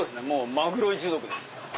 マグロ一族です。